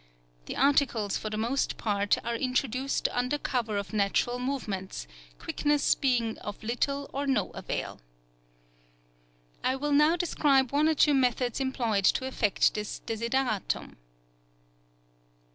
The articles for the most part are introduced under cover of natural movements, quickness being of little or no avail. I will now describe one or two methods employed to effect this desideratum.